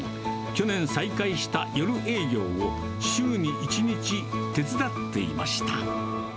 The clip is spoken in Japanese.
去年再開した夜営業を週に１日、手伝っていました。